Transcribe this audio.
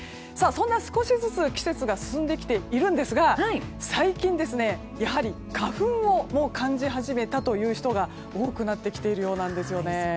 少しずつ季節が進んできてはいるんですが最近、やはり花粉を感じ始めたという人が多くなってきているようです。